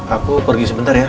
aku pergi sebentar ya